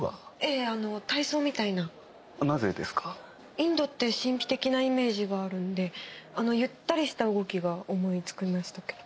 インドって神秘的なイメージがあるんであのゆったりした動きが思いつきましたけど。